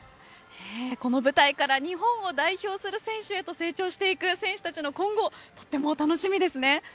この舞台から日本を代表する選手へと成長していく選手たちの今後とても楽しみですね。